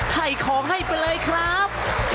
ถ่ายของให้ไปเลยครับ